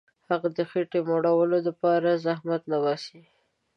هغه د خېټي مړولو دپاره زحمت نه باسي.